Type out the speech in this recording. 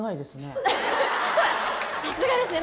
さすがですね！